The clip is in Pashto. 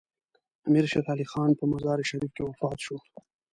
امیر شیر علي خان په مزار شریف کې وفات شو.